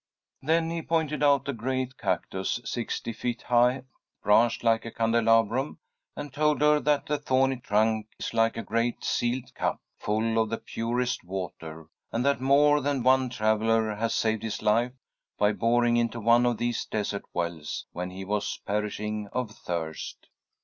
Then he pointed out a great cactus, sixty feet high, branched like a candelabrum, and told her that the thorny trunk is like a great sealed cup, full of the purest water, and that more than one traveller has saved his life by boring into one of these desert wells when he was perishing of thirst.